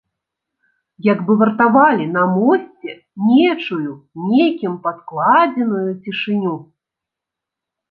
Як бы вартавалі на мосце нечую, некім падкладзеную цішыню.